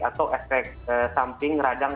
atau efek samping radang